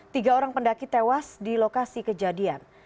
tiga orang pendaki tewas di lokasi kejadian